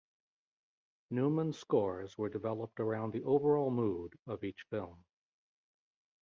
Newman's scores were developed around the overall mood of each film.